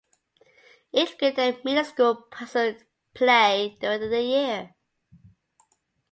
Each grade in the Middle School puts on a play during the year.